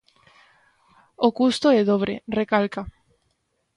O custo é dobre, recalca.